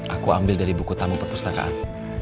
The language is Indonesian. aku ambil dari buku tamu perpustakaan